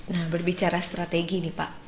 nah berbicara strategi nih pak